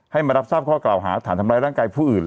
มารับทราบข้อกล่าวหาฐานทำร้ายร่างกายผู้อื่น